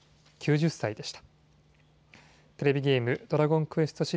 ９０歳でした。